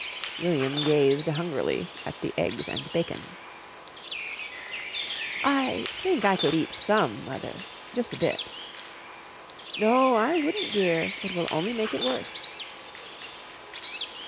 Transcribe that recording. William gazed hungrily at the eggs and bacon. "I think I could eat some, mother. Jus' a bit." "No, I wouldn't, dear. It will only make it worse."